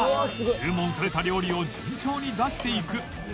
注文された料理を順調に出していく